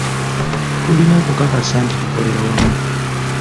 Tulina okukakasa nti tukolera wamu.